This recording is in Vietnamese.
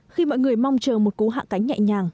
khi mọi người mong chờ một cú hạ cánh nhẹ nhàng